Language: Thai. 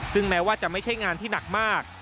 ซึ่งแม้ว่าจะไม่ใช่งานที่หนักมาก